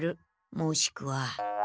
もしくは。